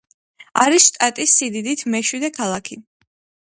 არის შტატის სიდიდით მეშვიდე ქალაქი.